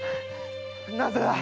なぜだ？〕